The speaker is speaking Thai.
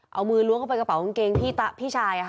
เอามือล้วงเข้าไปกระเป๋ากางเกงพี่ชาย